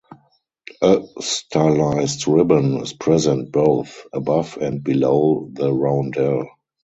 A stylized ribbon is present both above and below the roundel.